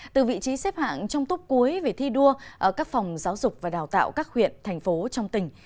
từ vị trí xếp hạng trong túc cuối về thi đua ở các phòng giáo dục và đào tạo các huyện thành phố trong tỉnh